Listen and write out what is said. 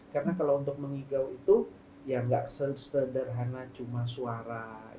karena kalau untuk mengigau itu ya nggak sederhana cuma suara